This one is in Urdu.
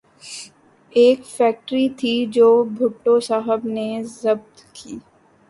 ایک فیکٹری تھی جو بھٹو صاحب نے ضبط کی۔